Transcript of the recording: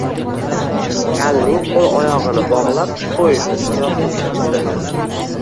Kalning qo‘l-oyog‘ini bog‘lab, so‘yish uchun yotqizishibdi